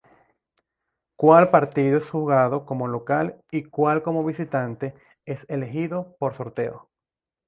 Cuál partido es jugado como local y cuál como visitante es elegido por sorteo.